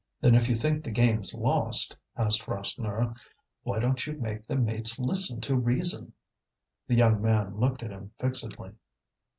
"Then if you think the game's lost," asked Rasseneur, "why don't you make the mates listen to reason?" The young man looked at him fixedly.